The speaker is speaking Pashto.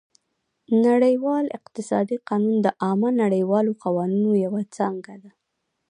نړیوال اقتصادي قانون د عامه نړیوالو قوانینو یوه څانګه ده